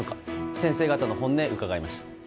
先生方の本音、伺いました。